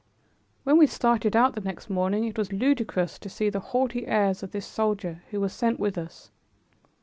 When we started out the next morning, it was ludicrous to see the haughty airs of this soldier who was sent with us.